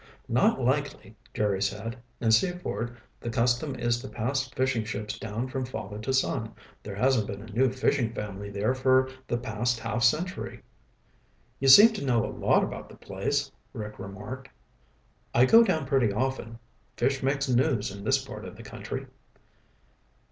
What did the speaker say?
"Not likely," Jerry said. "In Seaford the custom is to pass fishing ships down from father to son. There hasn't been a new fishing family there for the past half century." "You seem to know a lot about the place," Rick remarked. "I go down pretty often. Fish makes news in this part of the country."